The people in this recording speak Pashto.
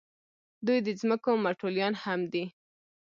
دوی د ځمکو متولیان هم دي.